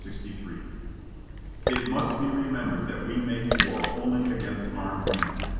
"It must he remembered that zve make war only against armed men.